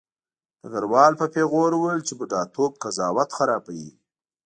ډګروال په پیغور وویل چې بوډاتوب قضاوت خرابوي